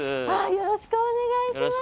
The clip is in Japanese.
よろしくお願いします。